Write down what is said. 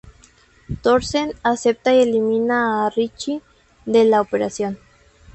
Thorsen acepta y elimina a Richie de la operación.